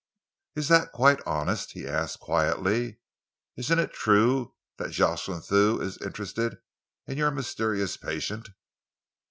"Is that quite honest?" he asked quietly. "Isn't it true that Jocelyn Thew is interested in your mysterious patient?"